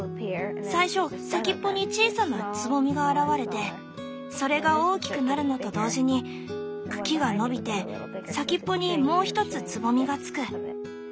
最初先っぽに小さな蕾が現れてそれが大きくなるのと同時に茎が伸びて先っぽにもう一つ蕾がつく。